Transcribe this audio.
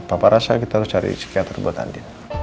apa rasanya kita harus cari psikiater buat andi